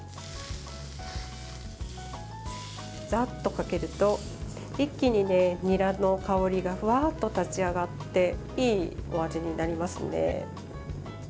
ザーッとかけると一気に、にらの香りがふわっと立ち上がっていいお味になりますね。